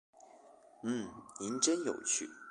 嗯，您真有趣